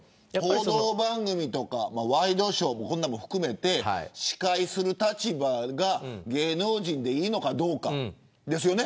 報道番組とかワイドショーも含めて司会する立場が芸能人でいいのかどうかですよね。